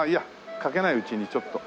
かけないうちにちょっと。